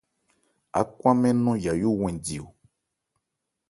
Ákwámɛn nɔn Yayó wɛn di.